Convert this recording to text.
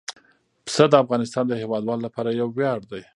پسه د افغانستان د هیوادوالو لپاره یو ویاړ دی.